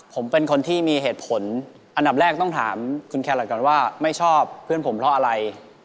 ผมเป็นคนที่มีเหตุผลอันดับแรกต้องถามคุณแครอทก่อนว่าไม่ชอบเพื่อนผมเพราะอะไร